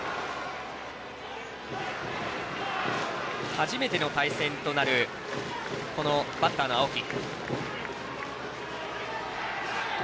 初めての対戦となるこのバッターの青木。